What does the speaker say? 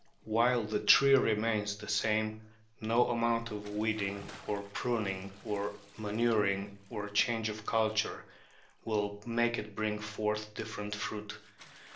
While the tree remains the same, no amount of weeding, or pruning, or manuring, or change of culture, will make it bring forth different fruit.